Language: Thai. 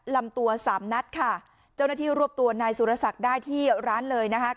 ลำตัวสามนัดค่ะเจ้าหน้าที่รวบตัวนายสุรศักดิ์ได้ที่ร้านเลยนะคะ